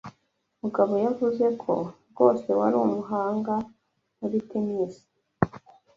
Mugabo yavuze ko rwose wari umuhanga muri tennis.